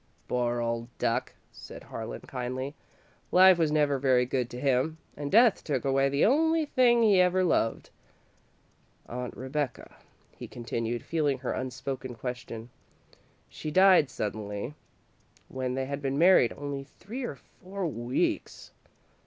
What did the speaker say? "Poor old duck," said Harlan, kindly. "Life was never very good to him, and Death took away the only thing he ever loved. "Aunt Rebecca," he continued, feeling her unspoken question. "She died suddenly, when they had been married only three or four weeks."